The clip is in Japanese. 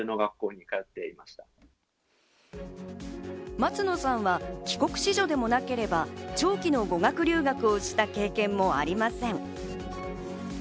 松野さんは帰国子女でもなければ、長期の語学留学をした経験もありません。